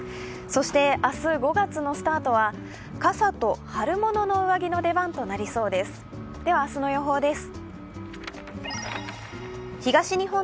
そして、明日５月のスタートは傘と春物の上着の出番となりそうです。